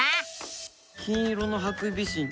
金色のハクビシン